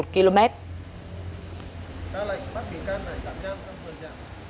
cả lệnh bắt tỉ can này tạm giam năm tháng đối với phụng